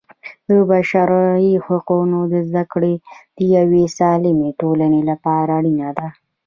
د بشري حقونو زده کړه د یوې سالمې ټولنې لپاره اړینه ده.